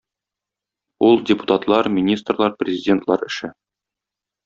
Ул - депутатлар, министрлар, президентлар эше.